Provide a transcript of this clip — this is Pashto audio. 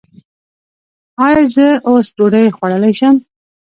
ایا زه اوس ډوډۍ خوړلی شم؟